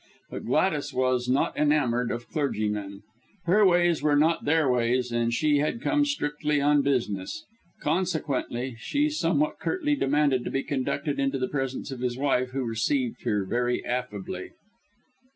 But Gladys was not enamoured of clergymen. Her ways were not their ways, and she had come strictly on business. Consequently she somewhat curtly demanded to be conducted into the presence of his wife, who received her very affably.